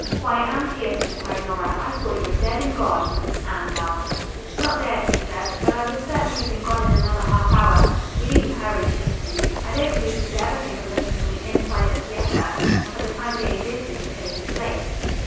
"Why, Anne Pierson!" cried Nora, "I thought you were dead and gone." Anne laughed. "Not dead," she said. "But I would certainly have been gone in another half hour. We needn't hurry," she continued. "I don't believe he would ever think of looking for me inside the theater, and, for the time being, this is the safest place."